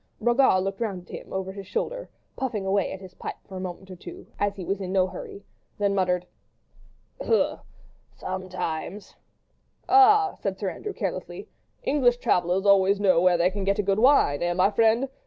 Brogard looked round at him, over his near shoulder, puffed away at his pipe for a moment or two as he was in no hurry, then muttered,— "Heu!—sometimes!" "Ah!" said Sir Andrew, carelessly, "English travellers always know where they can get good wine, eh! my friend?